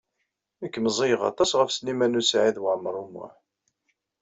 Nekk meẓẓiyeɣ aṭas ɣef Sliman U Saɛid Waɛmaṛ U Muḥ.